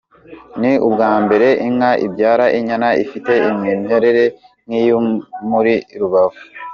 Ni ubwa mbere, inka ibyara inyana ifite imimerere nk’iyi muri Rubavu.